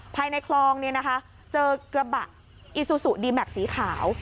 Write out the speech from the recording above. ภายในคลองเนี่ยนะคะเจอกระบะอีซูซูดีแม็กซีขาว